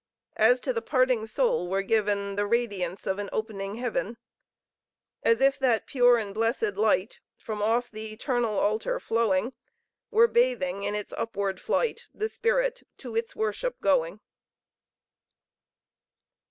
As to the parting soul were given The radiance of an opening heaven! As if that pure and blessed light From off the eternal altar flowing, Were bathing in its upward flight The spirit to its worship going!